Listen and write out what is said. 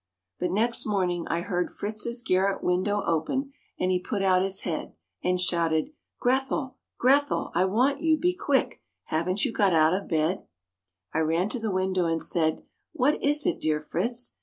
But next morning I heard Fritz's garret window open, and he put out his head, And shouted, "Grethel! Grethel! I want you. Be quick! Haven't you got out of bed?" I ran to the window and said, "What is it, dear Fritz?"